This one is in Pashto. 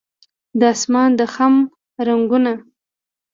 د اسمان د خم رنګونه